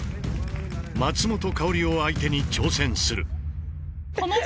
松本薫を相手に挑戦する。